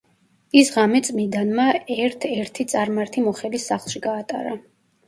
ის ღამე წმიდანმა ერთ-ერთი წარმართი მოხელის სახლში გაატარა.